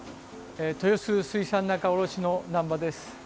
豊洲水産仲卸の難波です。